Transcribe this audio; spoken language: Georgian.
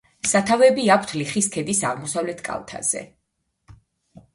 სათავეები აქვთ ლიხის ქედის აღმოსავლეთ კალთაზე.